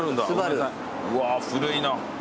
うわ古いな。